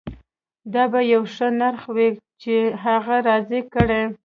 دا به یو ښه نرخ وي چې هغه راضي کړي